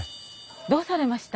どうされました？